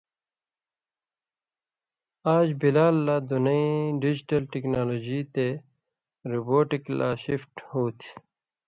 آژ بلال لہ دُنئ ڈیجیٹل ٹیکنالوجی تے روبوٹک لا شفٹ ہوتھی،